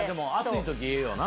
暑い時ええよな！